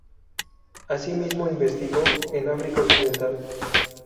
Asimismo investigó en África Occidental.